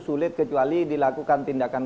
sulit kecuali dilakukan tindakan